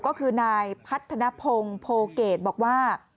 ก็คือนายภัทธนพงฎเกร์บอกว่า